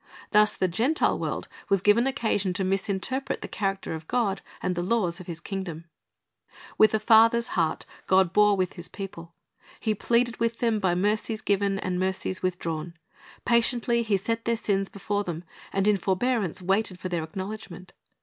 Thus the Gentile world was given occasion to misinterpret the character of God and the laws of His kingdom. With a father's heart, God bore with His people. He pleaded with them by mercies given and mercies withdrawn. Patiently He set their sins before them, and in forbearance waited for their acknowledgment.